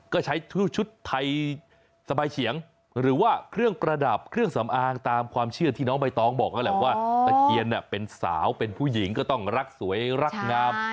ก็ใช้ชุดไทยสบายเฉียงหรือว่าเครื่องประดับเครื่องสำอางตามความเชื่อที่น้องใบตองบอกแล้วแหละว่าตะเคียนเป็นสาวเป็นผู้หญิงก็ต้องรักสวยรักงาม